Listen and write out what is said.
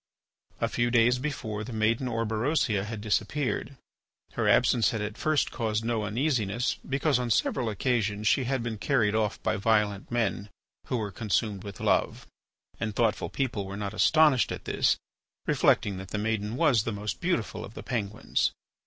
A few days before, the maiden Orberosia had disappeared. Her absence had at first caused no uneasiness because on several occasions she had been carried off by violent men who were consumed with love. And thoughtful people were not astonished at this, reflecting that the maiden was the most beautiful of the Penguins.